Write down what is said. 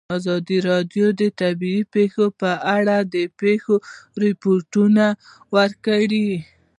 ازادي راډیو د طبیعي پېښې په اړه د پېښو رپوټونه ورکړي.